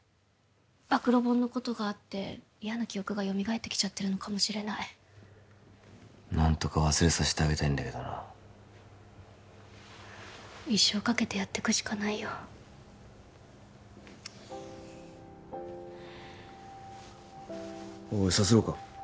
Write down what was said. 暴露本のことがあって嫌な記憶がよみがえってきちゃってるのかもしれない何とか忘れさせてあげたいんだけどな一生かけてやってくしかないよおいさすろうか？